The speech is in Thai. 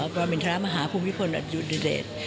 บรมินทรมาฮาภูมิพลอัตยุทธิเดช